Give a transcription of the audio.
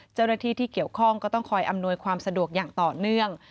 เจ้าหน้าที่ที่เกี่ยวข้องก็ต้องคอยอำนวยความสะดวกอย่างต่อเนื่อง